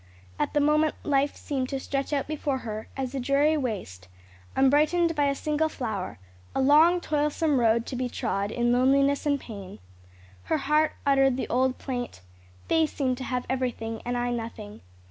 At the moment life seemed to stretch out before her as a dreary waste, unbrightened by a single flower a long, toilsome road to be trod in loneliness and pain. Her heart uttered the old plaint: "They seem to have everything and I nothing."